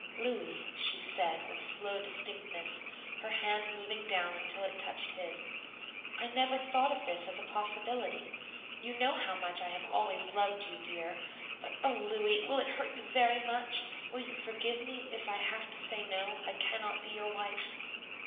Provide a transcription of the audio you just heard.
"Louis," she said, with slow distinctness, her hand moving down until it touched his, "I never thought of this as a possibility. You know how much I have always loved you, dear; but oh, Louis, will it hurt you very much, will you forgive me if I have to say no, I cannot be your wife?"